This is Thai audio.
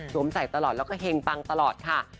ใส่ตลอดแล้วก็เฮงปังตลอดค่ะ